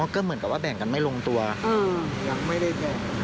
ก็เหมือนกับว่าแบ่งกันไม่ลงตัวยังไม่ได้แบ่ง